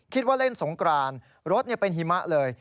คิดว่าเล่นสงกรานรถเป็นหิมะเลย